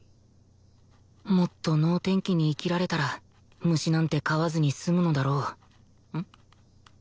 もっと能天気に生きられたら虫なんて飼わずに済むのだろうん？